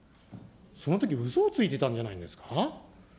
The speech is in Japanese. そのときうそをついてたんじゃないですか。